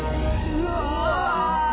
うわ！